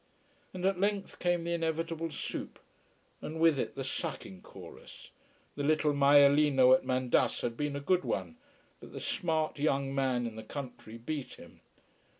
And at length came the inevitable soup. And with it the sucking chorus. The little maialino at Mandas had been a good one. But the smart young man in the country beat him.